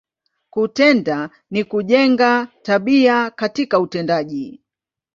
Kutenda, ni kujenga, tabia katika utendaji.